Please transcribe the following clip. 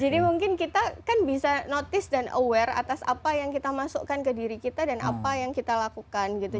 jadi mungkin kita kan bisa notice dan aware atas apa yang kita masukkan ke diri kita dan apa yang kita lakukan gitu